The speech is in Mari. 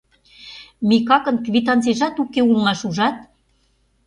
Микакын квитанцийжат уке улмаш, ужат?!